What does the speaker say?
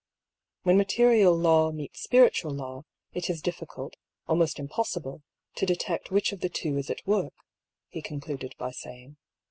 '^When material law meets spiritual law, it is difficult, almost impossible, to detect which of the two is at work," he concluded by saying.